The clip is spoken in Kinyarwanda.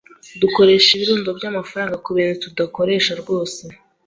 Dukoresha ibirundo by'amafaranga kubintu tudakoresha rwose.